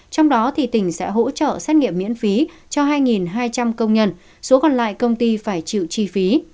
trong đó tỉnh sẽ hỗ trợ xét nghiệm miễn phí cho hai hai trăm linh công nhân số còn lại công ty phải chịu chi phí